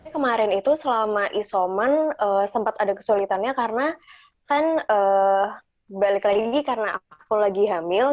kemarin itu selama isoman sempat ada kesulitannya karena kan balik lagi karena aku lagi hamil